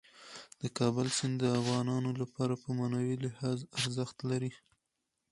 د کابل سیند د افغانانو لپاره په معنوي لحاظ ارزښت لري.